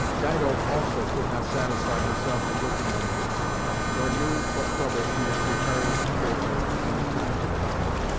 Dido also could not satisfy herself with looking on him, nor knew what trouble he was preparing for her in the time to come.